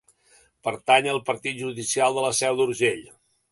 Pertany al partit judicial de La Seu d’Urgell.